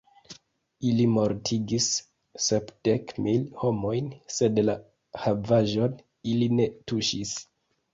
Ili mortigis sepdek mil homojn, sed la havaĵon ili ne tuŝis.